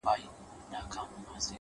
هغې ليونۍ بيا د غاړي هار مات کړی دی.